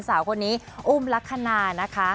สาวคนนี้อุ้มลักษณะนะคะ